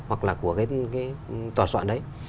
hoặc là của cái tòa soạn đấy